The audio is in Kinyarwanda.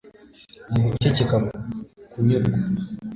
mu guceceka kunyurwa